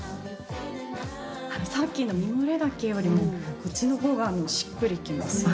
さっきのミモレ丈よりもこっちのほうがしっくりきます。